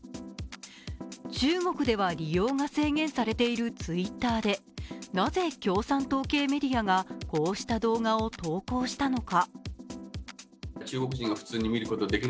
中国では利用が制限されているＴｗｉｔｔｅｒでなぜ、共産党系メディアがこうした動画を投稿したのか。